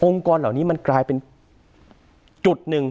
กรเหล่านี้มันกลายเป็นจุดหนึ่ง